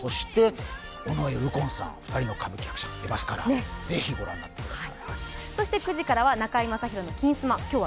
尾上右近さん、２人の歌舞伎役者が出ますからぜひ御覧ください。